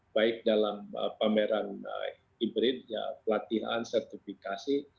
baik dalam pameran hybrid pelatihan sertifikasi